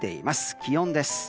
気温です。